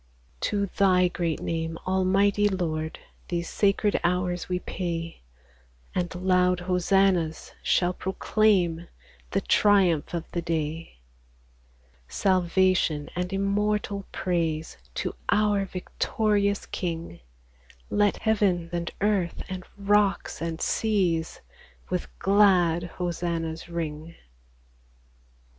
^3 To Thy great name, Almighty Lord, These sacred hours we pay ; And loud hosannas shall proclaim The triumph of the day. Salvation and immortal praise To our victorious King ! Let heaven and earth, and rocks and seas, With glad hosannas ring